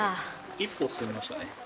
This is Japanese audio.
一歩進みましたね。